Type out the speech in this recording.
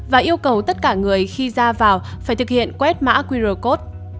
và yêu cầu tất cả người khi ra vào phải thực hiện quét mã qr code